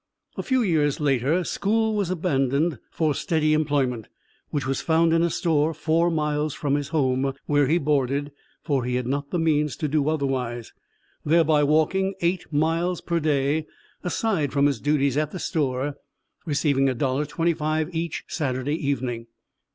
A few years later, school was abandoned for steady employment which was found in a store four miles from his home, where he boarded, for he had not the means to do otherwise, thereby walking eight miles per day, aside from his duties at the store, receiving $1.25 each Saturday evening.